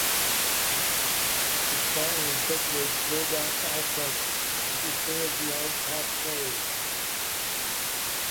It smartly incorporates throwback aspects into state-of-the-art pop-soul.